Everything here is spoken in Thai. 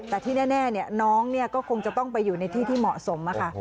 แต่ที่แน่เนี่ยน้องเนี่ยก็คงจะต้องไปอยู่ในที่ที่เหมาะสมนะคะ